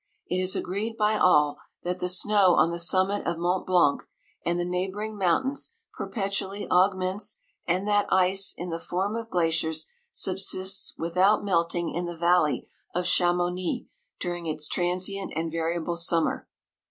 It is agreed by all, that the snow on the summit of Mont Blanc and the neighbouring mountains perpetually augments, and that ice, in the form of glaciers, subsists without melting in the valley of Cha mouni during its transient and varia ble summer.